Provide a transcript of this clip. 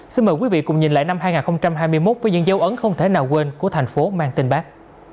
xin mời quý vị cùng nhìn lại năm hai nghìn hai mươi một với những dấu ấn không thể nào quên của thành phố mang tên bác